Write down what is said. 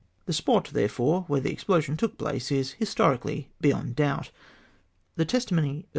The spot, therefore, where the explosion took place is historically beyond doubt. The testimony of Mi.